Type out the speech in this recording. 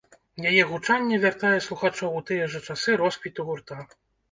Яе гучанне вяртае слухачоў у тыя жа часы росквіту гурта.